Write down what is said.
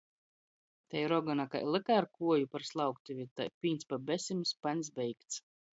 Tei rogona kai lyka ar kuoju par slauktivi, tai pīns pa besim, spaņs beigts.